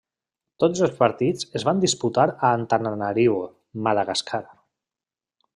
Tots els partits es van disputar a Antananarivo, Madagascar.